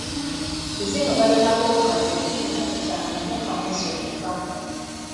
Ku zino balinako obukadde kikumi ataano mu kamu zokka.